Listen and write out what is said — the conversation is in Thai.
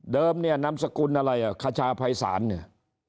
เนี่ยนามสกุลอะไรอ่ะคชาภัยศาลเนี่ย